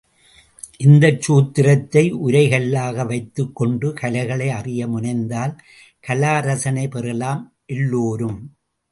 இந்தச் சூத்திரத்தை உரை கல்லாக வைத்துக் கொண்டு கலைகளை அறிய முனைந்தால் கலா ரசனை பெறலாம் எல்லோரும்.